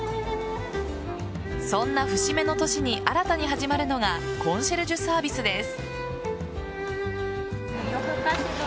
そんな節目の年に新たに始まるのがコンシェルジュサービスです。